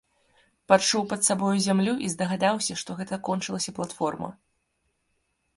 Пачуў пад сабою зямлю і здагадаўся, што гэта кончылася платформа.